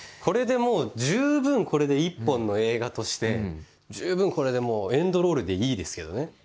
これでもう十分これで１本の映画として十分これでもうエンドロールでいいですけどね。